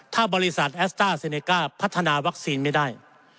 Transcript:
ถ้าบริษัทแอสต้าเซเนก้าพัฒนาวัคซีนไม่ได้